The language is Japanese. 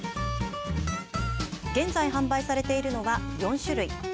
現在販売されているのは４種類。